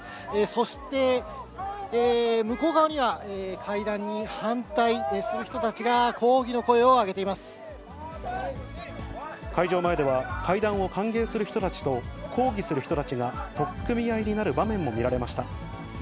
そして向こう側には、会談に反対する人たちが、抗議の声を上げて会場前では、会談を歓迎する人たちと、抗議する人たちが取っ組み合いになる場面も見られました。